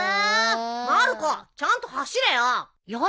まる子ちゃんと走れよ。